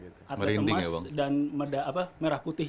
atlet emas dan merah putih